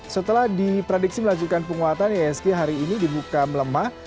setelah diprediksi melanjutkan penguatan isg hari ini dibuka melemah